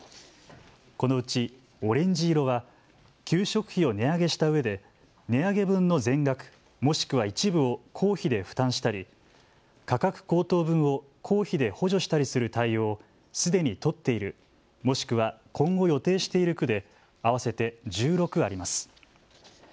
このうちオレンジ色は給食費を値上げしたうえで値上げ分の全額、もしくは一部を公費で負担したり、価格高騰分を公費で補助したりする対応をすでに取っている、もしくは今後、予定している区で合わせて１６あります。